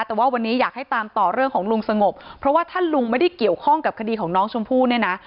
แต่ว่าวันนี้อยากให้ตามต่อเรื่องของลุงสงบเพราะว่าถ้าลุงไม่ได้เกี่ยวข้องกับคดีของน้องชมพู่เนี่ยนะ